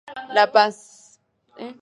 La Paz.